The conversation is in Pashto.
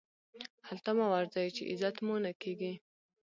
هلته مه ورځئ، چي عزت مو نه کېږي.